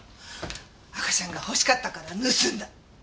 赤ちゃんが欲しかったから盗んだ。